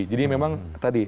jadi memang tadi